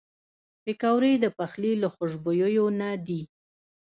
پکورې د پخلي له خوشبویو نه دي